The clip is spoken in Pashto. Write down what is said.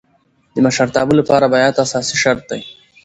د مشرتابه له پاره بیعت اساسي شرط دئ.